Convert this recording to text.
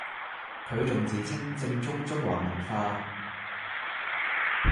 佢仲自稱正宗中華文化